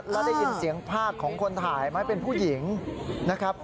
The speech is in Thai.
แล้วได้ยินเสียงภาคของคนถ่ายไหมเป็นผู้หญิงนะครับ